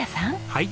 はい。